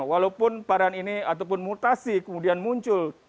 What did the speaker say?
walaupun varian ini ataupun mutasi kemudian muncul